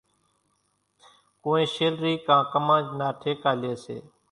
ڪونئين شيلرِي ڪان ڪمانج نا ٺيڪا ليئيَ سي۔